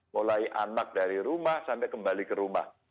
mulai anak dari rumah sampai kembali ke rumah